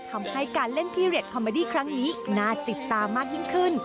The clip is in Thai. ทำให้การเล่นพิเรทคอมเมอดี้ครั้งนี้น่าติดตามากยิ่งขึ้น